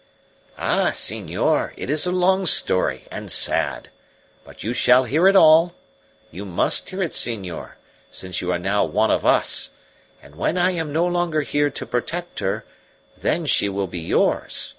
"Ah, senor, it is a long story, and sad. But you shall hear it all. You must hear it, senor, since you are now one of us; and when I am no longer here to protect her, then she will be yours.